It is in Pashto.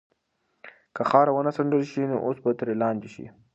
که خاوره ونه څنډل شي نو آس به ترې لاندې شي.